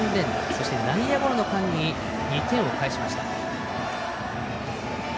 そして、内野ゴロの間に２点を返しました。